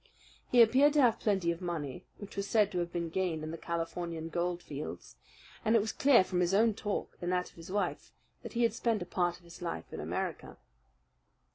He appeared to have plenty of money, which was said to have been gained in the California gold fields, and it was clear from his own talk and that of his wife that he had spent a part of his life in America.